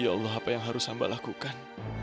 ya allah apa yang harus hamba lakukan